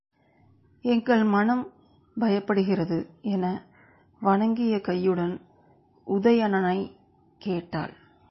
எங்கள் மனம் பயப்படுகிறது என வணங்கிய கையுடன் உதயணனைக் கேட்டாள்.